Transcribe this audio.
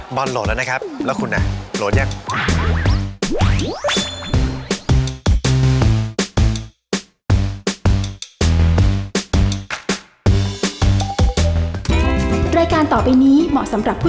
บอลโหลดแล้วนะครับ